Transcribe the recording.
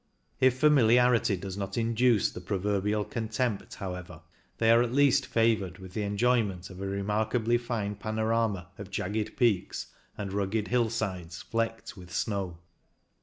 If familiarity does not induce the proverbial contempt, however, they are at least favoured with the enjoyment of a remarkably fine panorama of jagged peaks and rugged hillsides flecked with snow.